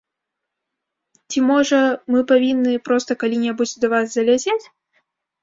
Ці можа, мы павінны проста калі-небудзь да вас заляцець?